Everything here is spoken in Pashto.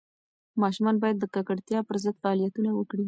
ماشومان باید د ککړتیا پر ضد فعالیتونه وکړي.